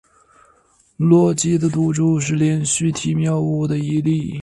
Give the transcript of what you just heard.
洛基的赌注是连续体谬误的一例。